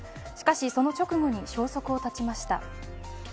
しかし、その直後に消息を絶ちました。